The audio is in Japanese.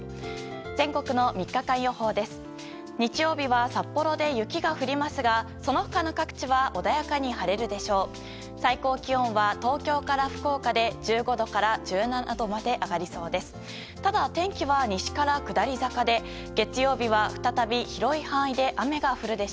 全国の３日間予報です。